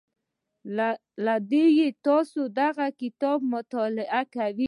له امله يې تاسې دغه کتاب مطالعه کوئ.